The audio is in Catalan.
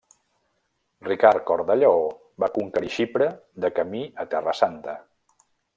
Ricard Cor de Lleó va conquerir Xipre de camí a Terra Santa.